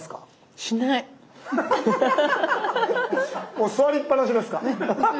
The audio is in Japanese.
もう座りっぱなしですか？